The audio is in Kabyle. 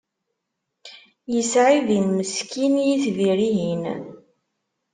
Yesɛibin meskin yitbir-ihin.